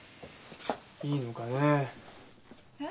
いいのかねえ？